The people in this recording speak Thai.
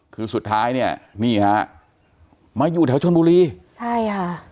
คือสุดท้ายเนี่ยนี่ฮะมาอยู่แถวชนบุรีใช่ค่ะ